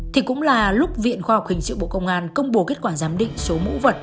thì cũng là lúc viện khoa học hình sự bộ công an công bố kết quả giám định số mẫu vật